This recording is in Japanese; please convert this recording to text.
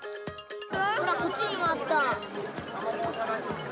こっちにもあった。